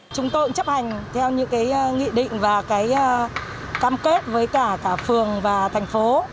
chúng tôi cũng chấp hành theo những cái nghị định và cam kết với cả phường và thành phố